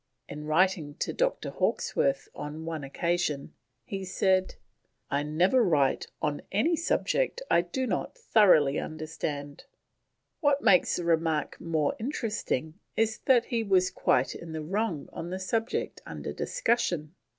In writing to Dr. Hawkesworth on one occasion, he said: "I never write on any subject I do not thoroughly understand." What makes the remark more interesting is that he was quite in the wrong on the subject under discussion.